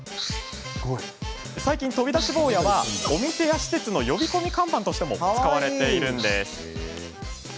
最近、飛び出し坊やはお店や施設の呼び込み看板としても使われているんです。